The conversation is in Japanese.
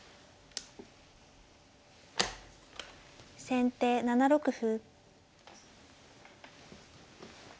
先手７六歩。